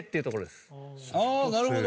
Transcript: ああなるほど。